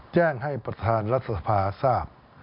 แจ้งให้ประธานรัฐสภาทราบ